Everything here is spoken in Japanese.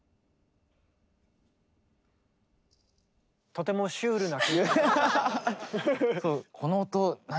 とてもシュールな。